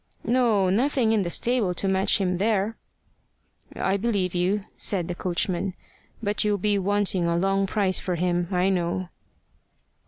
"No; nothing in the stable to match him there." "I believe you," said the coachman. "But you'll be wanting a long price for him, I know."